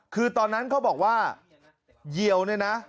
คือตอนนั้นเขาบอกว่าเยียวเนี่ยนะ